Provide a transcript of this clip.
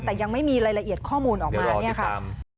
แต่ยังไม่มีรายละเอียดข้อมูลออกมาเนี่ยค่ะ